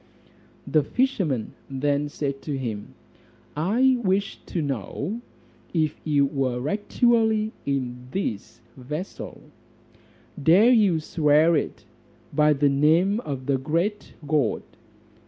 The fisherman then said to him, "I wish to know if you were actually in this vessel: Dare you swear it by the name of the great God?"